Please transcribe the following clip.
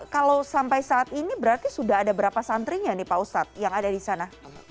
kalau sampai saat ini berarti sudah ada berapa santrinya nih pak ustadz yang ada di sana